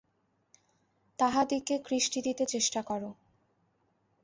তাহাদিগকে কৃষ্টি দিতে চেষ্টা কর।